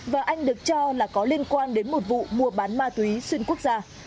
và anh được cho là có liên quan đến một vụ mua bán ma túy xuyên quốc gia